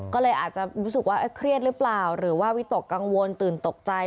ก็เลยอาจจะรู้สึกว่าเครียดหรือเปล่าหรือว่าวิตกกังวลตื่นตกใจ